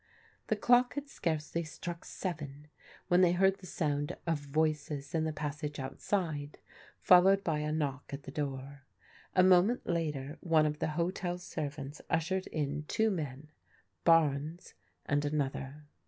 The clock had scarcely struck seven when they heard the sound of voices in the passage outside, followed by a knock at the door. A moment later one of the hotel servants ushered in two men, Barnes and another.